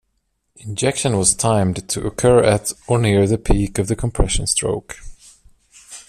Injection was timed to occur at or near the peak of the compression stroke.